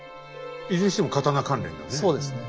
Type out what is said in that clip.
いずれにしても刀関連だね。